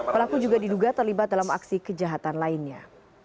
pelaku juga diduga terlibat dalam aksi kejahatan lainnya